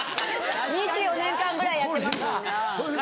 ２４年間ぐらいやってますもんね。